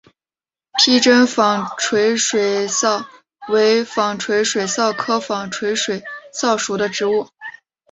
披针纺锤水蚤为纺锤水蚤科纺锤水蚤属的动物。